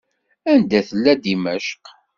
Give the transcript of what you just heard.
Anda tella Dimecq?